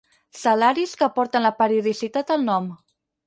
Salaris que porten la periodicitat al nom.